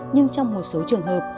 nhưng trong một số trường hợp